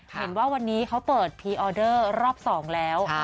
เห็นว่าวันนี้เขาเปิดพรีออเดอร์รอบ๒แล้ว